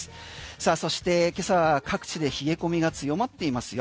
さあそして今朝は各地で冷え込みが強まっていますよ。